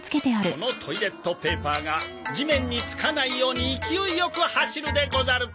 このトイレットペーパーが地面につかないように勢いよく走るでござる。